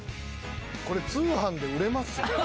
これ通販で売れますよ。